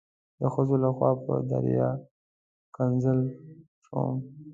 د ښځو لخوا په دریا ښکنځل شوم.